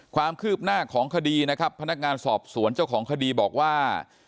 ความคืบหน้าของคดีนะครับพนักงานสอบสวนเจ้าของคดีบอกว่า